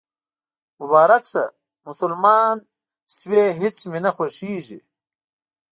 مبارک شه، مسلمان شوېهیڅ مې نه خوښیږي